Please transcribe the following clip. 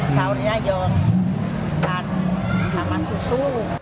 saurnya ya sama susu